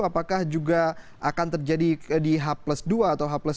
apakah juga akan terjadi di h dua atau h tiga